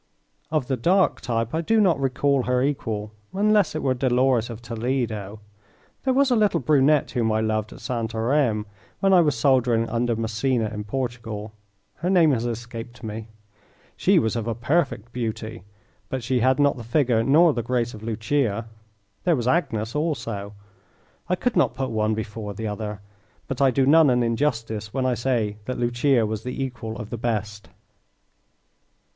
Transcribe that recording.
Of the dark type I do not recall her equal unless it were Dolores of Toledo. There was a little brunette whom I loved at Santarem when I was soldiering under Massena in Portugal her name has escaped me. She was of a perfect beauty, but she had not the figure nor the grace of Lucia. There was Agnes also. I could not put one before the other, but I do none an injustice when I say that Lucia was the equal of the best.